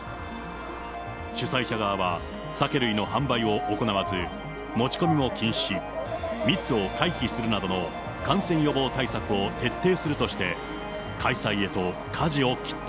主催者側は、酒類の販売を行わず持ち込みも禁止し、密を回避するなどの感染予防対策を徹底するとして、開催へとかじを切った。